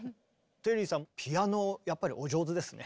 テリーさんピアノやっぱりお上手ですね。